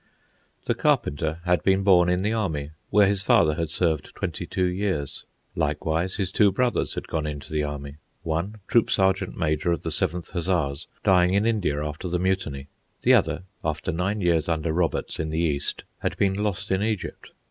The Carpenter had been born in the army, where his father had served twenty two years. Likewise, his two brothers had gone into the army; one, troop sergeant major of the Seventh Hussars, dying in India after the Mutiny; the other, after nine years under Roberts in the East, had been lost in Egypt.